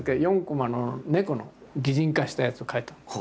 ４コマの猫の擬人化したやつを描いた。